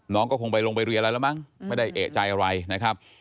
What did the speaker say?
น้องก็คงไปลงบริเวณอะไรมั้งเมื่อได้เอกใจอะไรนะครับ